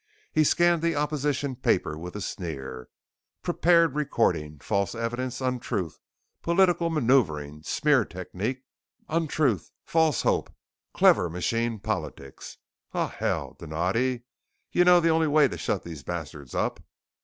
He scanned the opposition paper with a sneer: "Prepared recording, false evidence, untruth, political maneuvering, smear technique, untruth, false hope, clever machine politics, O hell, Donatti. Y'know the only way to shut these bastards up?"